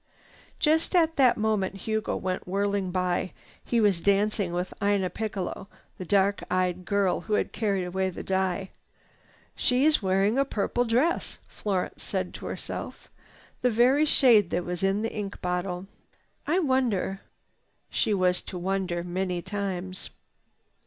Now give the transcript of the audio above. Just at that moment Hugo went whirling by. He was dancing with Ina Piccalo, the dark eyed girl who had carried away the dye. "She's wearing a purple dress," Florence said to herself, "the very shade that was in the ink bottle. I wonder—" she was to wonder many times.